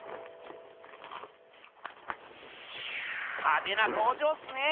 派手な登場っすね！